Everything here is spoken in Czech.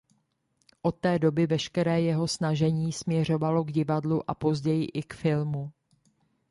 Od té doby veškeré jeho snažení směřovalo k divadlu a později i k filmu.